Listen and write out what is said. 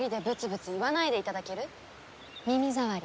耳障り。